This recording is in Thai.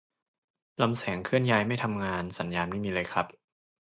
ลำแสงเคลื่อนย้ายไม่ทำงาน สัญญาณไม่มีเลยครับ